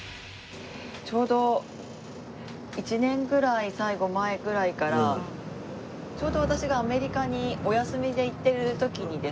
ちょうど１年ぐらい最後前ぐらいからちょうど私がアメリカにお休みで行ってる時にですね